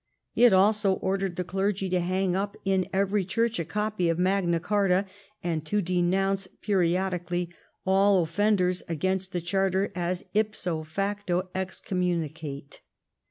It also ordered the clergy to hang up in every great church a copy of Magna Carta, and to denounce periodically all offenders against the Charter as ipso facto excommunicate.